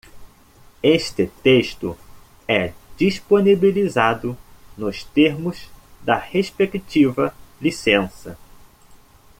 Este texto é disponibilizado nos termos da respectiva licença.